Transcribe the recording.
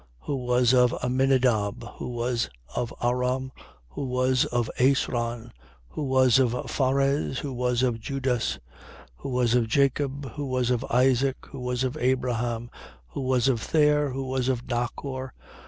Who was of Aminadab, who was of Aram, who was of Esron, who was of Phares, who was of Judas, 3:34. Who was of Jacob, who was of Isaac, who was of Abraham, who was of Thare, who was of Nachor, 3:35.